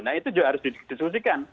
nah itu juga harus didiskusikan